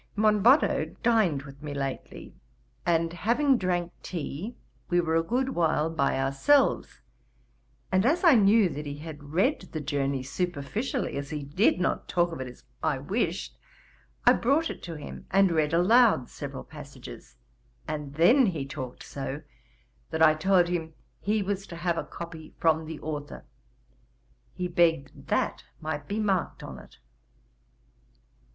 Monboddo dined with me lately, and having drank tea, we were a good while by ourselves, and as I knew that he had read the Journey superficially, as he did not talk of it as I wished, I brought it to him, and read aloud several passages; and then he talked so, that I told him he was to have a copy from the authour. He begged that might be marked on it.